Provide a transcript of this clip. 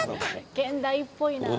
現代っぽいなあ。